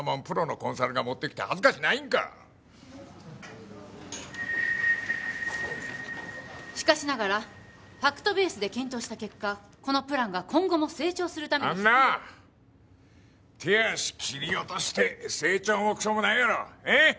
プロのコンサルが持ってきて恥ずかしないんかしかしながらファクトベースで検討した結果このプランが今後も成長するためにあんなあ手足切り落として成長もクソもないやろええ？